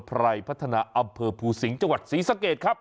ไรพัฒนาอำเภอภูสิงห์จังหวัดศรีสะเกดครับ